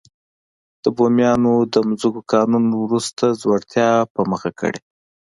د بومیانو د ځمکو قانون وروسته ځوړتیا په مخه کړې.